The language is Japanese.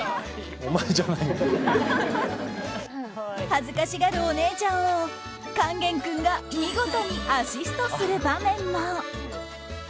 恥ずかしがるお姉ちゃんを勸玄君が見事にアシストする場面も。